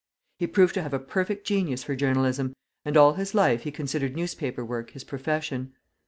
He proved to have a perfect genius for journalism, and all his life he considered newspaper work his profession.